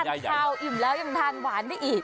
ข้าวอิ่มแล้วยังทานหวานได้อีก